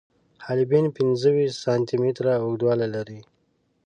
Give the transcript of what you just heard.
حالبین پنځه ویشت سانتي متره اوږدوالی لري.